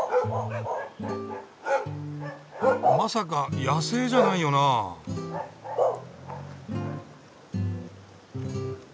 まさか野生じゃないよなあ。